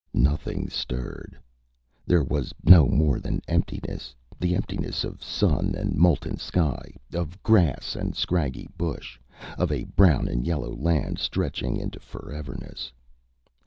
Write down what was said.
Nothing stirred. There was no more than emptiness the emptiness of sun and molten sky, of grass and scraggy bush, of a brown and yellow land stretching into foreverness.